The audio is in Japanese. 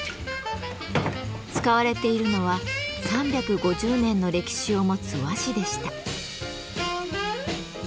使われているのは３５０年の歴史を持つ和紙でした。